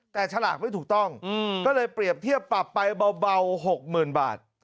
แต่ฉลากไม่ถูกต้องก็เลยเปรียบเทียบปรับไปเบา๖๐๐๐บาท